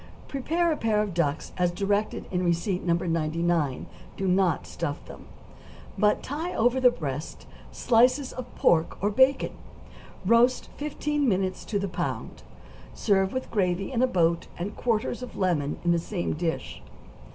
= Prepare a pair of ducks as directed in receipt No. 99; do not stuff them, but tie over the breasts slices of pork or bacon; roast fifteen minutes to the pound; serve with gravy in a boat and quarters of lemon on the same dish.